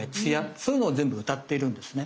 そういうのを全部うたっているんですね。